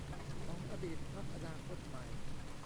ของอดีตพรรคอนาคตใหม่